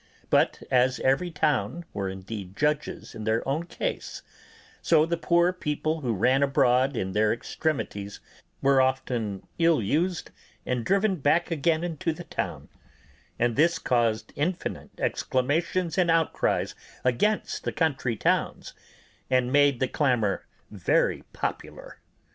But as every town were indeed judges in their own case, so the poor people who ran abroad in their extremities were often ill used and driven back again into the town; and this caused infinite exclamations and outcries against the country towns, and made the clamour very popular.